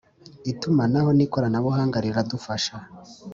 itumanaho n ikoranabuhanga riradufasha